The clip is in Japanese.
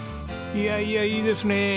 いやいやいいですね。